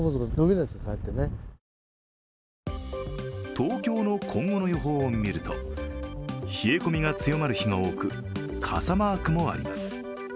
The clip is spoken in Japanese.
東京の今後の予報を見ると冷え込みが強まる日が多く傘マークもあります。